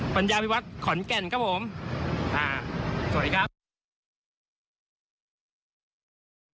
ปัญญาพิวัตรขอนแก่นครับผมสวัสดีครับ